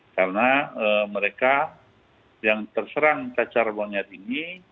karena mereka yang terserang cacar monyet ini